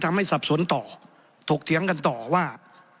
สับสนต่อถกเถียงกันต่อว่า